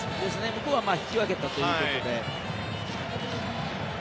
向こうは引き分けたということで。